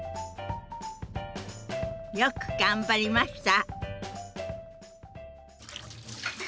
よく頑張りました！